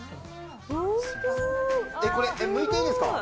これ、むいていいんですか。